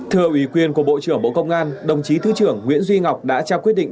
thưa ủy quyền của bộ trưởng bộ công an đồng chí thứ trưởng nguyễn duy ngọc đã trao quyết định